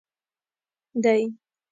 دی.